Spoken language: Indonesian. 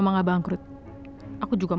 masih ada kerjaan aku tolak